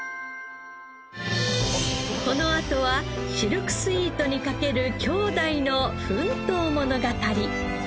このあとはシルクスイートに懸ける兄弟の奮闘物語。